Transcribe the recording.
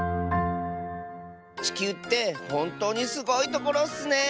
ちきゅうってほんとうにすごいところッスね。